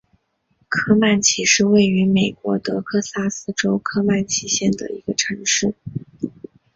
科曼奇是位于美国得克萨斯州科曼奇县的一个城市。